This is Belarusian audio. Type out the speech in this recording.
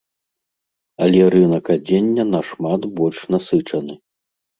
Але рынак адзення нашмат больш насычаны.